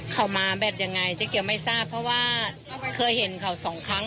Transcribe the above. เขามาแบบยังไงเจ๊เกียวไม่ทราบเพราะว่าเคยเห็นเขาสองครั้ง